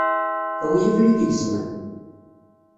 Awi abrid igezmen!